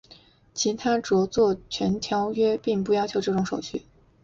其他着作权条约并不要求这种手续。